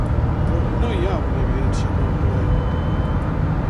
Però no hi ha una evidència concloent.